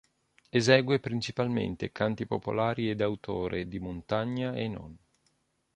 Esegue principalmente canti popolari e d'autore, di montagna e non.